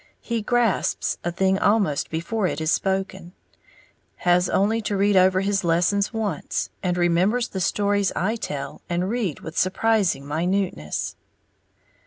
He grasps a thing almost before it is spoken, has only to read over his lessons once, and remembers the stories I tell and read with surprising minuteness.